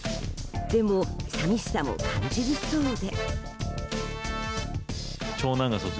でも、寂しさも感じるそうで。